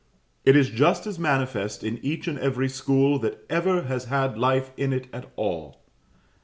It is just as manifest in each and every school that ever has had life in it at all.